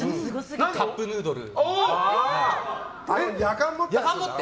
カップヌードル。